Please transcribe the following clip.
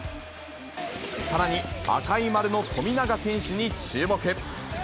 さらに赤い丸の富永選手に注目。